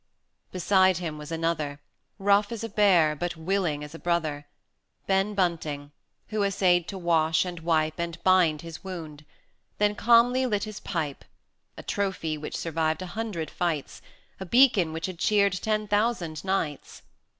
Beside him was another, Rough as a bear, but willing as a brother, Ben Bunting, who essayed to wash, and wipe, And bind his wound then calmly lit his pipe, A trophy which survived a hundred fights, A beacon which had cheered ten thousand nights.